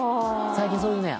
最近そういうね